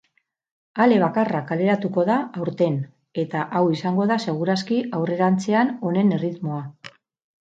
Ale bakarra kaleratuko da aurten eta hau izango da seguraski aurrerantzean honen erritmoa.